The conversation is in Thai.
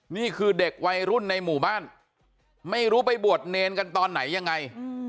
นี่คือเด็กวัยรุ่นในหมู่บ้านไม่รู้ไปบวชเนรกันตอนไหนยังไง